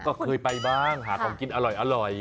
ก็เคยไปบ้างหาของกินอร่อย